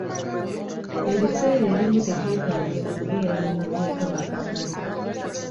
Ebiseera ebimu tekyetaagisa kubeera na mateeka makakali.